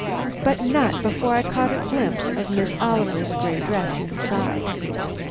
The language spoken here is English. But not before I caught a glimpse of Miss Oliver's gray dress inside.